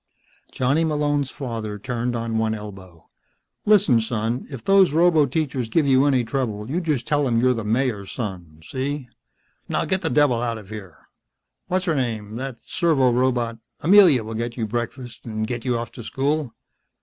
Johnny Malone's father turned on one elbow. "Listen, son," he said. "If those roboteachers give you any trouble you just tell them you're the Mayor's son. See. Now get the devil out of here. What's her name that servorobot Amelia will get your breakfast and get you off to school.